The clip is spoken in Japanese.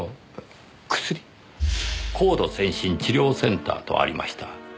高度先進治療センターとありました。